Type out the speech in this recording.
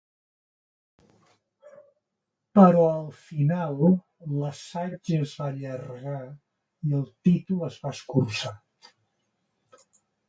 “però al final l'assaig es va allargar i el títol es va escurçar”.